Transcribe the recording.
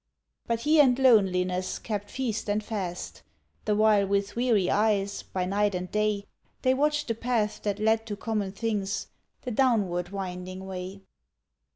But he and loneliness kept feast and fast, The while with weary eyes, by night and day; They watched the path that led to common things The downward winding way.